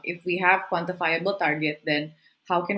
jika kita memiliki target yang berkelanjutan